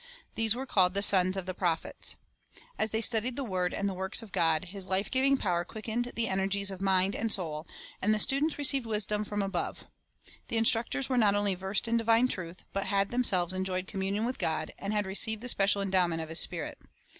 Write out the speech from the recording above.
These were called the sons of the prophets. As they studied the word and the works of God, His life giving power quickened the energies of mind and soul, and the students received wisdom from above. The instructors were not only versed in divine truth, but had themselves enjoyed communion with God, and had received the special endowment of His Spirit.